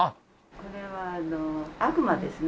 これは悪魔ですね。